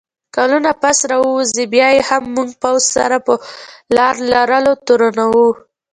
کلونه پس راووځي، بیا یې هم موږ پوځ سره په لار لرلو تورنوو